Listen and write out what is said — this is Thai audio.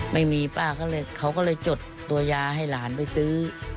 ไม่มีป้าก็เลยเขาก็เลยจดตัวยาให้หลานไปซื้อ